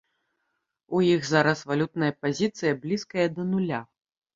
У іх зараз валютная пазіцыя блізкая да нуля.